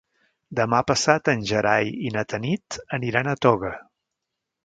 Demà passat en Gerai i na Tanit aniran a Toga.